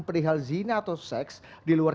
perihal zina atau seks di luar